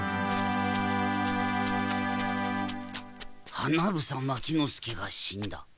花房牧之介が死んだ。